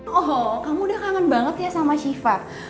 oh kamu udah kangen banget ya sama shiva